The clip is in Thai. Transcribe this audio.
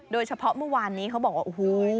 โดยเฉพาะเมื่อวานนี้เขาบอกว่าโอ้โห